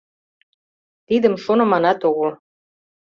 Тидым шоныманат огыл.